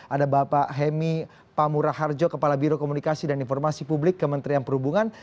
ada bapak hemi pamuraharjo kepala biro komunikasi dan informasi publik kementerian perhubungan